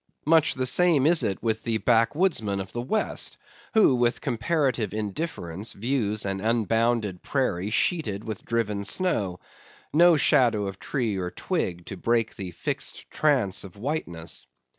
Much the same is it with the backwoodsman of the West, who with comparative indifference views an unbounded prairie sheeted with driven snow, no shadow of tree or twig to break the fixed trance of whiteness.